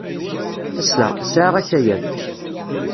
Ass-a, nesɛa akayad.